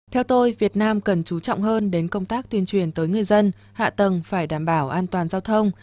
theo tôi việt nam cần chú trọng hơn đến công tác tuyên truyền tới người dân hạ tầng phải đảm bảo an toàn giao thông